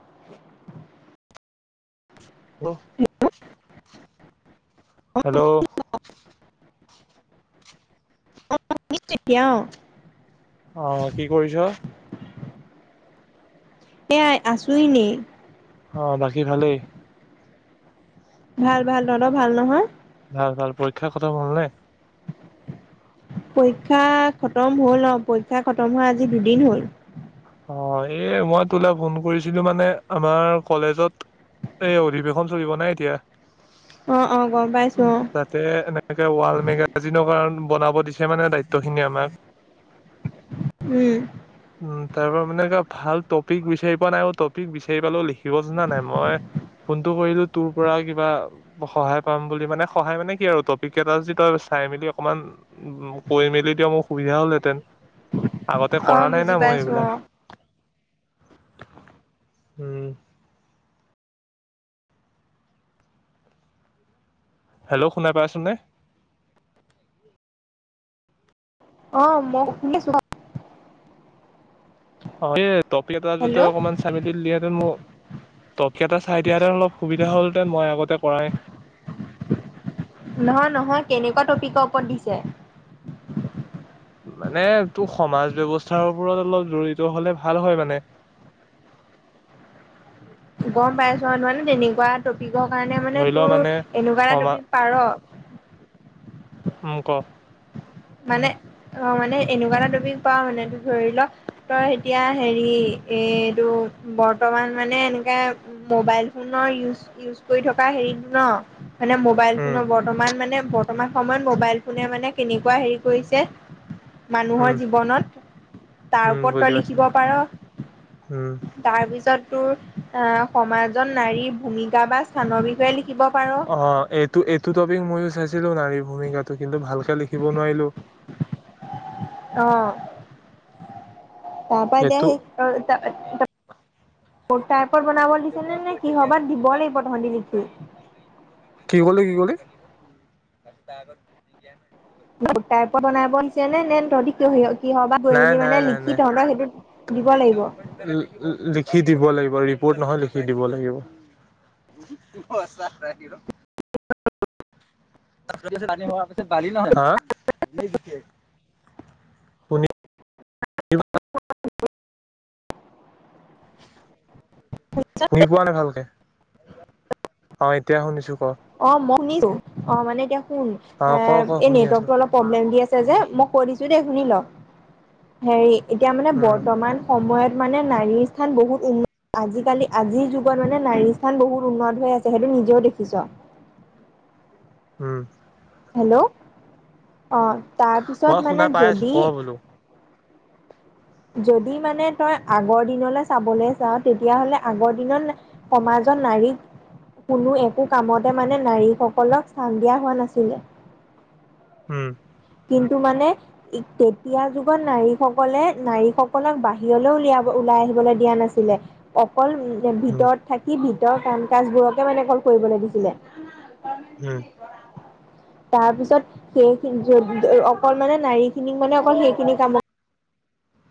উ [unintelligible] বহ। হেল্ল'। অ তুমি তেতিয়া। অহ কি কৰিছ। এয়াই আছো এনেই। অ বাকী ভালেই। ভাল ভাল তহত ভাল নহয়। ভাল ভাল পৰীক্ষাৰ খটম হ'লনে। পৰীক্ষা খতম হ'ল ন পৰীক্ষা খতম হোৱা আজি দুদিন হ'ল। অ এই মই তোলে ফোন কৰিছিলো মানে আমাৰ কলেজত এই অধিবেশন চলিব নাই এতিয়া অ অ গম উ পাইছো অ তাতে এনেকে ৱাল মেগাজিনৰ কাৰণ বনাব দিছে মানে দায়িত্ব খিনি আমাক উম উম তাৰ পৰা মানে ভাল টপিক বিচাৰি পোৱা নাই টপিক বিচাৰি পালেও লিখিব জনা নাই মই ফোনটো কৰিলো তোৰ পৰা কিবা সহায় পাম বুলি মানে সহায় মানে কি আৰু টপিক এটা যে তই চাই মেলি অকমান কৈ মেলি দিয় মোৰ সুবিধা হ'ল হেতেন আগতে অ কৰা নাই বুজি না মই পাইছো এইবিলাক অ উম হেল্ল' শুনাাই পাইছোন নে অ ম শুনিছো অ এই টপি এটা যদি হেল্ল' অকমান চাইমিলদিলিহেতেন মোক একেইটা চাই দিয়াত অলপ সুবিধা হ'ল হেতেন মই আগতে কৰাই নহয় নহয় কেনেকুৱা টপিকৰ ওপৰত দিছে মানে টো সমাজ ব্যৱস্থাৰ ওপৰত অলপ জড়িত হলে ভাল হয় মানে গম পাইছ নহানে তেনেকুৱা লিখিৱৰ কাৰণে মানে ধৰি লও তোৰ এনেকুৱা এটা সমা টপিক পাৰ উম ক মানে অ মানে এনেকুৱা এটা টপিক পোৱা মান ধৰি ল তই এতিয়া হেৰি এইটো বৰ্তমান মানে এনেকে মোবাইল ফোনৰ ইজ ইউজ কৰি থকা হেৰিটো ন মানে মোবাইল উম ফোনৰ বৰ্তমান মানে বৰ্তমান সময়ত মোবাইল ফোনে মানে কিন কেনেকুৱা হেৰি কৰিছে মানুহৰ উম জীৱনত তাৰ উম ওপৰত বুজি পাইছো লিখিব পাৰ উম তাৰ পিছত আহ সমাজত নাৰীৰ ভূমিকা বা স্থানৰ বিষয়ে লিখিব অ এইটো এইটো টপিক ময়ো ছাইচো ছিলো নাৰীৰ ভূমিকাটো কিন্তু ভাল শা লিখিব নোৱাৰিলো অ তাৰ পৰাৰা সেইটো এতিয়া সেইটাইপত বনাব দিছে নে নে কিহৰ বাাত দিব লাগিব তহঁতি লিখি কষ্ট আ গটাই পৰা বনাইছে নে নেন ৰ ক স কি হ বা গৈ নাই মিনি নাই মানে নাই লিখি নাই। তহঁতৰ সেইটো দিব লাগিব লিখি দিব লাগিব ৰিপোৰ্ট নহয় লিখি দিব লাগিব এইবা নাই শুনি পোৱা নাই ভালকে অ এতিয়া শুনিছো ক অ মই শুনিছো অ মানে এ শুন অ ক ক শুনি আছো যে মই কৈ দিছো দে শুনি ল হেৰি এতিয়া মানে উম। বৰ্তমান সময়ত। মানে নাৰীৰ স্থান বহুত উন্নত আজিকালি আজিৰ যুগত মানে নাৰীৰ স্থান বহুত উন্নত হৈ আছে সেইটো নিজেও দেখিছ। উম হেল্ল' অ মই তাৰপিছত শুনা মানে পাই আছো ক যদি। বোলো যদি মানে তই আগৰ দিনলৈ চাবলৈ যাও তেতিয়াহ'লে আগৰ দিনত সমাজত নাৰীক কোনো একো কামতে মানে নাৰীসকলক স্থান দিয়া হোৱা নাছিলে? উম কিন্তু মানে তেতিয়া যুগত নাৰীসকলে নাৰীসকলক বাহিৰলৈ উলিয়াব ওলাই আহিবলৈ দিয়া নাছিলে। অকল উম ভিতৰত থাকি ভিতৰ কাম কাজবোৰকে মানে কল কৰিব দিছিলে? হম তাৰ পিছত সেইখিনি? অকল মানে নাৰী খিনিক মানে অকল সেইখিনি কামত।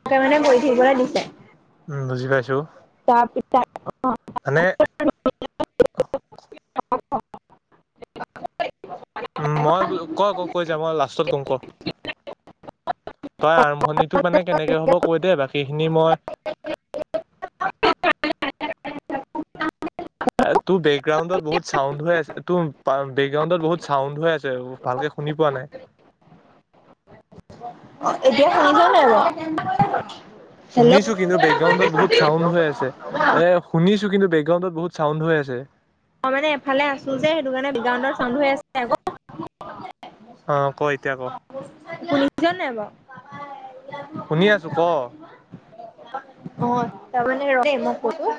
তে মানে গৈ থাকিবলৈ দিছে। উম বুজি পাইছো। চাহ পিছা মানে অ উম মই ক ক। কৈ যাম মই লাষ্টত ক'ম ক। তই আৰম্ভণি তো মানে কেনেকে হব কৈ দ দে বাকি। সেইখিনি মই। অ এ তোৰ বেকগ্ৰাউণ্ডত বহুত চাউড হৈ আছে তোৰ বেকগ্ৰাউণ্ডত বহুত চাউণ্ড হৈ আছে ভালকে শুনি পোৱা নাই। অ এতিয়া শুনিছেনে নাই বাউ। শুনিছো কিন্তু বেকগ্ৰাউণ্ডত বহুত চাউণ্ড হৈ আছে এ শুনিছো? কিন্তু বেকগ্ৰাউডত বহুত চাউড হৈ আছে। মই মানে এফালে আছো যে সেইটো কাৰণে বিগাউণ্ড চাউণ্ড হৈ আছে আকৌ। অ ক এতিয়া ক অ আুনিজন নাই বাৰ। শুনি আছো ক। অ ত মান ৰ।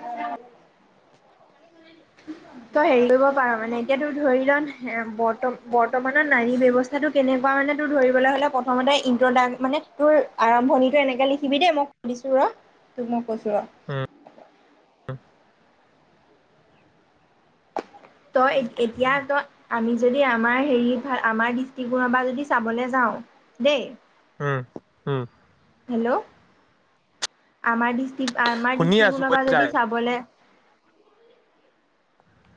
তই হেৰি কৰিব পাৰ মানে এতিয়া তোৰ ধৰি লৰ্ত বৰ্তমানৰ নাৰী ব্য্ৱস্থাটো কেনেকুৱা মানে তোৰ ধৰিবলৈ হলে প্ৰথমতে ইটাক মানে তোৰ আৰম্ভণিটো এনেকে লিখিবি দেই মই ক দিছো ৰ তোক মই কৈছো ৰ। উম তই এতিয়া তই আমি যদি আমাৰ হেৰিাল আমাৰ দৃষ্টিকোণৰ পৰা যদি চাবলৈ যাও দেই। উম উম হেল্ল' আমাৰ দি। আমাৰ শুনি আছো ডিষ্ট্ৰিক্টখনৰ কৈ পৰা যায় যদি চাবলৈ।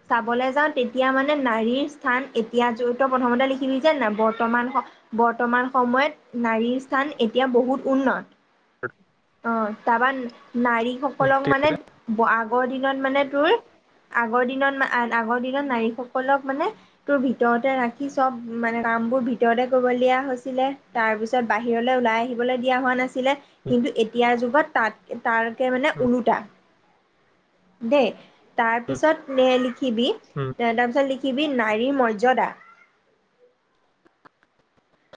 চাবলৈ যাওঁ তেতিয়া মানে নাৰীৰ স্থান এতিয়া য ত প্ৰথমতে লিখিলি যে ন বৰ্তমান বৰ্তমান সময়ত নাৰীৰ স্থান এতিয়া বহুত উন্নত। ত অ তপা উম নাৰীসকলক মানে আগৰ দিনত মানে তোৰ আগৰ দিনত আগৰ দিনত নাৰীসকলক মানে তোৰ ভিতৰতে ৰাখি চব মানে কামবোৰ ভিতৰতে কৰিব দিয়া হৈছিলে তাৰপিছত বাহিৰলৈ ওলাই আহিবলৈ দিয়া হোৱা নাছিলে কিন্তু এতিয়াৰ যুগত তাত তাৰকে মানে উম ওলোটা। দেই। উম তাৰপিছত মেইলি উম কিবি-ত- তাৰপিছত লিখি কিবি নাৰী মৰ্যদা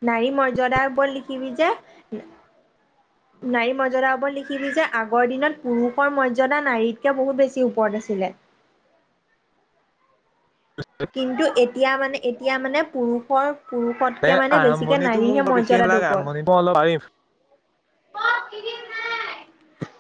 নাৰী মৰ্যদাৰ ওপৰত লিখিবি যে- না-নাৰী মৰ্যদাৰ ওপৰত লিখিবি যে আগৰ দিনত পুৰুষৰ মৰ্যদা নাৰীতকে বহুত বেছি ওপৰত আছিলে। কিন্তু এতিয়া মানে-এতিয়া মানে পুৰুষ পৰ এ' আৰম্ভণিতটো মোৰ বৰ বিশেষ মৰ্যদাটো লাগা-আৰম্ভণি মই অলপ পাৰিম। অ' ত্ৰিদীপ নাই।